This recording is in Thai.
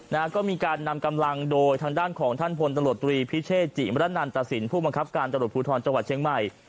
นะฮะก็มีการนำกำลังโดยทางด้านของท่านพลตำรวจตรีพิเชษจิมรนันตสินผู้บังคับการตำรวจภูทรจังหวัดเชียงใหม่